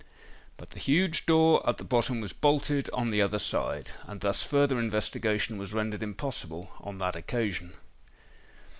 But the huge door at the bottom was bolted on the other side; and thus further investigation was rendered impossible on that occasion.